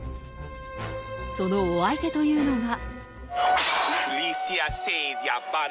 そのお相手というのが。